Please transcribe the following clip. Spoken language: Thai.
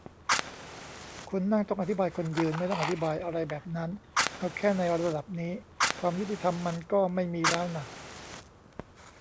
คนนั่ง ต้องอธิบาย คนยืน ไม่ต้องอธิบาย อะไรแบบนั้น เอาแค่ในระดับนี้ ความยุติธรรมมันก็ไม่มีแล้วน่ะ